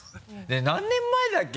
何年前だっけ？